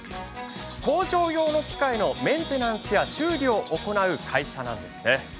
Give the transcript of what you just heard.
工場用の機械のメンテナンスや修理を行う会社なんですね。